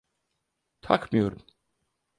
Takmıyorum.